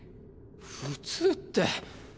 「普通」って。